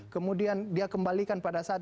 kemudian dia kembalikan pada saat